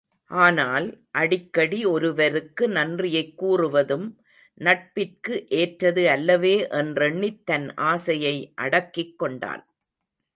ஆனால், அடிக்கடி ஒருவருக்கு நன்றியைக் கூறுவதும் நட்பிற்கு ஏற்றது அல்லவே என்றெண்ணித் தன் ஆசையை அடக்கிக் கொண்டான்.